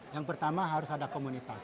yang pertama harus ada komunitas